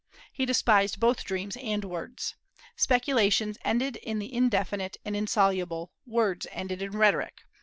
He despised both dreams and words. Speculations ended in the indefinite and insoluble; words ended in rhetoric.